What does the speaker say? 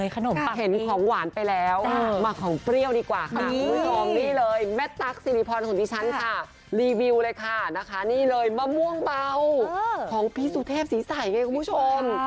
ของพี่สุเทพศีรษัยไงคุณผู้ชม